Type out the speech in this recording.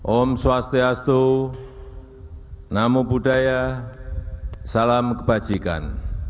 om swastiastu namo buddhaya salam kebajikan